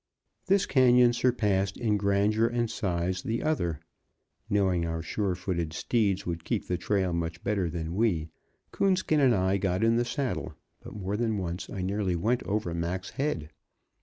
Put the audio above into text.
This canyon surpassed in grandeur and size the other. Knowing our sure footed steeds would keep the trail much better than we, Coonskin and I got in the saddle, but more than once I nearly went over Mac's head.